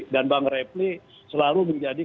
dan bang reply selalu menjadi